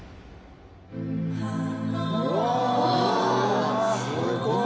うわすごい！